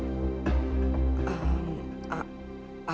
semoga korban kecelakaan itu lepas siuman